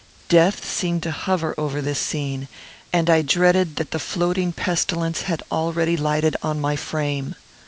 Death seemed to hover over this scene, and I dreaded that the floating pestilence had already lighted on my frame.